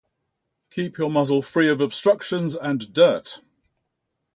Keep your muzzle free of obstructions and dirt.